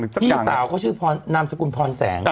พี่สาวเขาชื่อนามสกุลพรแสง